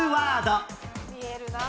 見えるなあ。